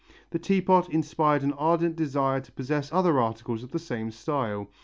The teapot inspired an ardent desire to possess other articles of the same style.